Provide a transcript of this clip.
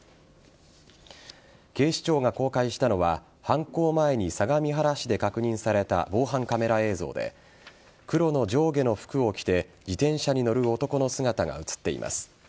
警視庁が公開したのは犯行前に相模原市で確認された防犯カメラ映像で黒の上下の服を着て自転車に乗る男の姿が映っています。